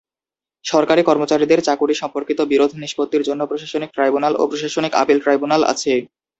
সরকারি কর্মচারীদের চাকুরি সম্পর্কিত বিরোধ নিষ্পত্তির জন্য প্রশাসনিক ট্রাইব্যুনাল ও প্রশাসনিক আপিল ট্রাইব্যুনাল আছে।